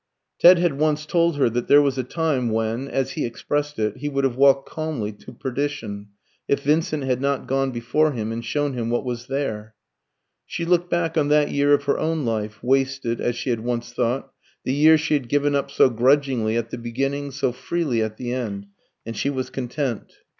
Ted had once told her that there was a time when, as he expressed it, he would have walked calmly to perdition, if Vincent had not gone before him and shown him what was there. She looked back on that year of her own life, "wasted," as she had once thought the year she had given up so grudgingly at the beginning, so freely at the end and she was content.